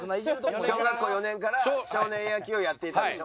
小学校４年から少年野球をやっていたんでしょ？